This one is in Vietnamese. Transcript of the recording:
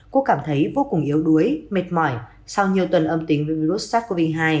cô cảm thấy vô cùng yếu đuối mệt mỏi sau nhiều tuần âm tính với virus sars cov hai